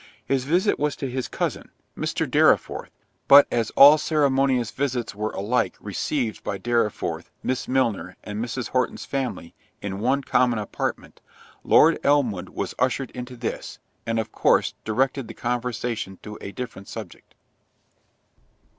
His visit was to his cousin, Mr. Dorriforth, but as all ceremonious visits were alike received by Dorriforth, Miss Milner, and Mrs. Horton's family, in one common apartment, Lord Elmwood was ushered into this, and of course directed the conversation to a different subject.